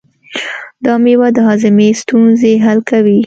دا مېوه د هاضمې ستونزې حل کوي.